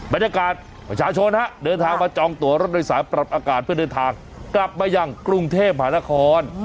บรรยากาศประชาชนฮะเดินทางมาจองตัวรถโดยสารปรับอากาศเพื่อเดินทางกลับมายังกรุงเทพหานคร